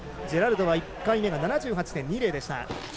ジェラルドの１回目は７８．２０でした。